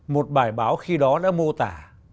một bài báo khi đó đã mô tả